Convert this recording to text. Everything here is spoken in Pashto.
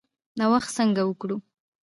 نوښت څنګه وکړو؟